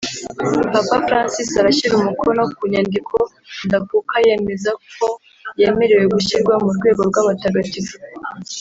Papa Francis arashyira umukono ku nyandiko ndakuka yemeza ko yemerewe gushyirwa mu rwego rw’abatagatifu